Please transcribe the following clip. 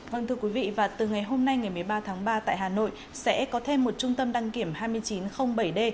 vâng thưa quý vị và từ ngày hôm nay ngày một mươi ba tháng ba tại hà nội sẽ có thêm một trung tâm đăng kiểm hai nghìn chín trăm linh bảy d